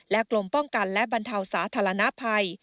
กรมป้องกันและบรรเทาสาธารณภัย